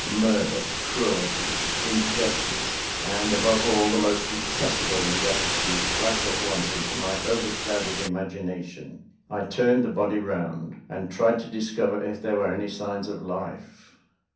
Murder, cruelty, injustice, and, above all, the most detestable ingratitude, flashed at once into my overcrowded imagination. I turned the body round, and tried to discover if there were any signs of life.